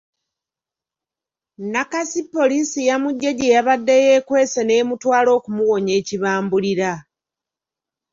Nakasi poliisi yamuggye gye yabadde yeekwese n’emutwala okumuwonya ekibambulira.